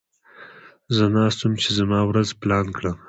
زه ناست وم چې زما ورځ پلان کړم.